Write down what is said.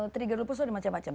trigger lupus ada macam macam